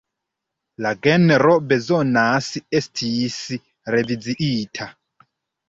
La genro bezonas esti reviziita.